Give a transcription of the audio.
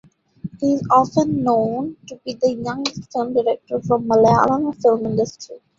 He is often known to be the youngest film director from Malayalam film industry.